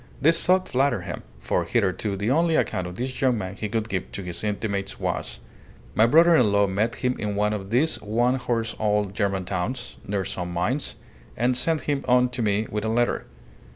This thought flattered him, for hitherto the only account of this young man he could give to his intimates was "My brother in law met him in one of these one horse old German towns, near some mines, and sent him on to me with a letter.